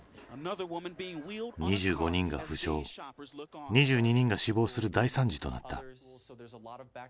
２５人が負傷２２人が死亡する大惨事となった。